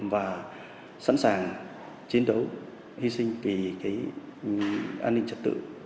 và sẵn sàng chiến đấu hy sinh vì cái an ninh trật tự